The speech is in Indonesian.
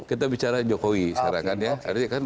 kita bicara jokowi sekarang kan ya